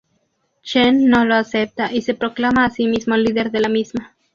Chen no lo acepta y se proclama a sí mismo líder de la misma.